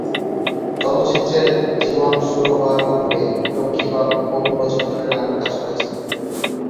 চলচ্চিত্রের জীবন শুরু হওয়ার পূর্বে লক্ষ্মী বহু বছর ধরে নাটকে কাজ করেছেন।